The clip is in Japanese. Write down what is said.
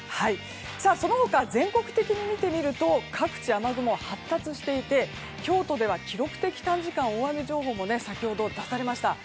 その他、全国的に見てみると各地、雨雲が発達していて京都では記録的短時間大雨情報も先ほど出されました。